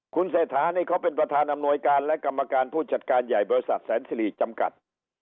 คุณเศรษฐานี่เขาเป็นประธานอำนวยการและกรรมการผู้จัดการใหญ่บริษัทแสนสิริจำกัด